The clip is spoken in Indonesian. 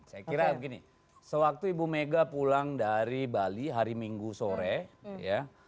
saya kira begini sewaktu ibu mega pulang dari bali hari minggu sore ya